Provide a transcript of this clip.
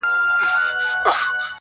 د فتوحاتو یرغلونو او جنګونو کیسې,